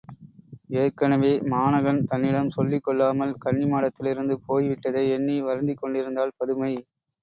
ஏற்கெனவே மாணகன் தன்னிடம் சொல்லிக் கொள்ளாமல் கன்னிமாடத்திலிருந்து போய் விட்டதை எண்ணி வருந்திக் கொண்டிருந்தாள் பதுமை.